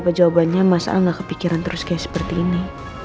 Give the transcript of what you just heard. pejawabannya masalah kepikiran terus kayak seperti ini